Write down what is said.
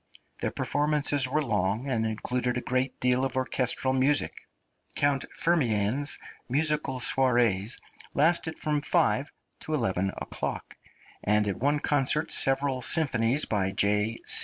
The performances were long, and included a great deal of orchestral music. Count Firmian's musical soirées lasted from five to eleven o'clock, and at one concert several symphonies by J.